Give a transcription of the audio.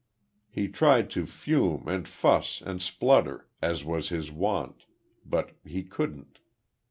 He tried to fume and fuss and splutter, as was his wont; but he couldn't.